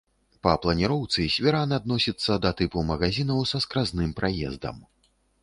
Па планіроўцы свіран адносіцца да тыпу магазінаў са скразным праездам.